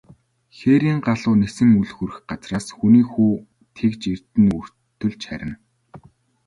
Хээрийн галуу нисэн үл хүрэх газраас, хүний хүү тэгж эрдэнэ өвөртөлж харина.